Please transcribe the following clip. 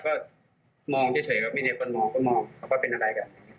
ก็มองเฉยครับไม่มีใครมองก็มองเขาก็เป็นอะไรกัน